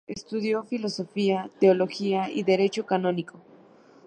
Estudió filosofía, teología y derecho canónico.